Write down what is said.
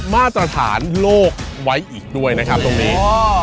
มาตรฐานโลกไว้อีกด้วยนะครับตรงนี้